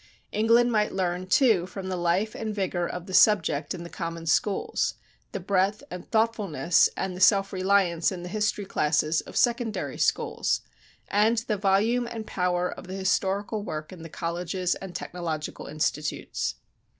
England might learn, too, from the life and vigor of the subject in the common schools, the breadth and thoughtfulness and the self reliance in the history classes of secondary schools, and the volume and power of the historical work in the colleges and technological institutes.